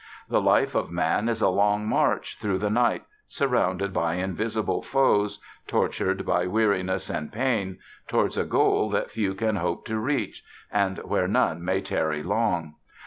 The life of Man is a long march through the night, surrounded by invisible foes, tortured by weariness and pain, towards a goal that few can hope to reach, and where none may tarry long.